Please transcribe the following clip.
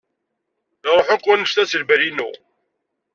Iṛuḥ akk wanect-a seg lbal-inu.